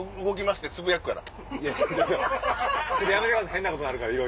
変なことになるから。